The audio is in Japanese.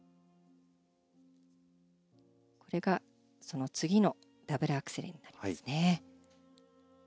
これがその次のダブルアクセルになりますね。